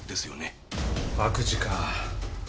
悪事か。